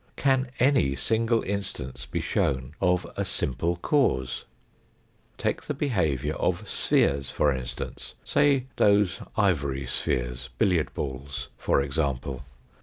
Can any single instance be shown of a simple cause ? Take the behaviour of spheres for instance ; say those ivory spheres, billiard balls, for example.